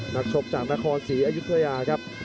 นักชกจากนครศรีอยุธยาครับ